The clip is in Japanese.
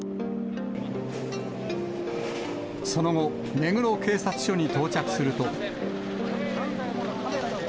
その後、目黒警察署に到着すると。